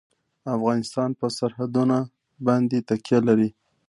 افغانستان په سرحدونه باندې تکیه لري.